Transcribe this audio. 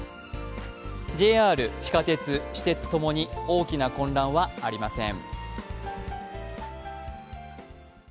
ＪＲ、地下鉄、私鉄共に大きな混乱はありません。